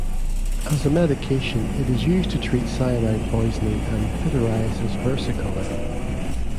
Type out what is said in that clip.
As a medication it is used to treat cyanide poisoning and pityriasis versicolor.